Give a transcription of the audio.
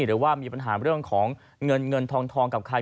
หรือว่ามีปัญหาเรื่องของเงินเงินทองกับใคร